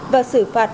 và xử phạt